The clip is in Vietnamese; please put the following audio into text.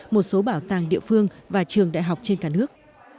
một số bảo tàng địa phương và trường đại học trên cả nước